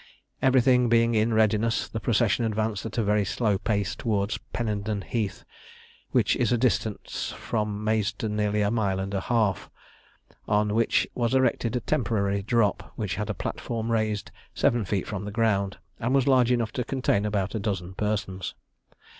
Everything being in readiness, the procession advanced at a very slow pace towards Pennenden Heath, which is distant from Maidstone nearly a mile and a half, on which was erected a temporary drop, which had a platform raised seven feet from the ground, and was large enough to contain about a dozen persons.